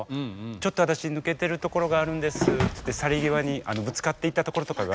ちょっと私抜けてるところがあるんですっつって去り際にぶつかっていったところとかが。